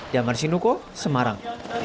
diamar sinuko semarang